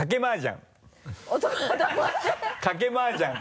賭けマージャン。